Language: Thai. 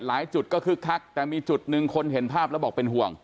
จุดก็คึกคักแต่มีจุดหนึ่งคนเห็นภาพแล้วบอกเป็นห่วง